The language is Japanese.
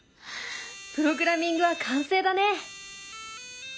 プログラミングは完成だね！